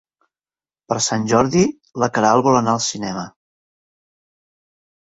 Per Sant Jordi na Queralt vol anar al cinema.